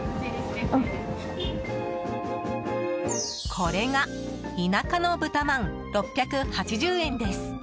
これが田舎の豚まん、６８０円です。